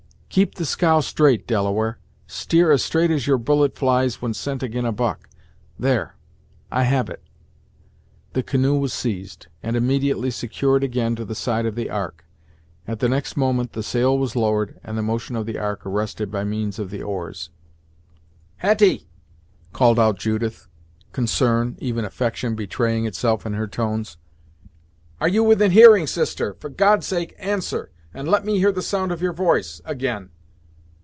"Keep the scow straight, Delaware; steer as straight as your bullet flies when sent ag'in a buck; there I have it." The canoe was seized, and immediately secured again to the side of the Ark. At the next moment the sail was lowered, and the motion of the Ark arrested by means of the oars. "Hetty!" called out Judith, concern, even affection betraying itself in her tones. "Are you within hearing, sister for God's sake answer, and let me hear the sound of your voice, again!